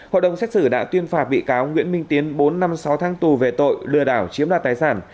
hội đồng xét xử đã tuyên phạt bị cáo nguyễn minh tiến bốn năm sáu tháng tù về tội lừa đảo chiếm đoạt tài sản